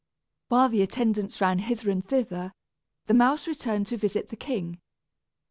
While the attendants ran hither and thither the mouse returned to visit the king.